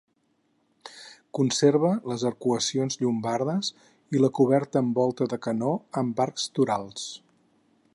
Conserva les arcuacions llombardes i la coberta en volta de canó, amb arcs torals.